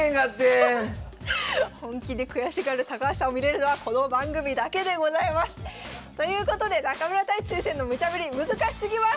本気で悔しがる高橋さんを見れるのはこの番組だけでございます！ということで中村太地先生のムチャぶり難しすぎます！